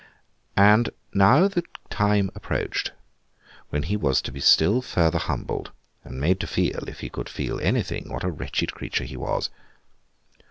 And now the time approached when he was to be still further humbled, and made to feel, if he could feel anything, what a wretched creature he was.